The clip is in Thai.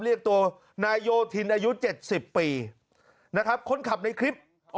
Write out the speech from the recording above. เรียกตัวนายโยธินอายุ๗๐ปีนะครับคนขับในคลิป